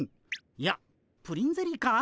いやプリンゼリーか？